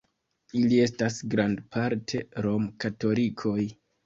Ili estas grandparte rom-katolikoj.